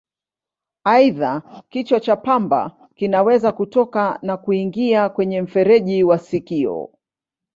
Aidha, kichwa cha pamba kinaweza kutoka na kuingia kwenye mfereji wa sikio.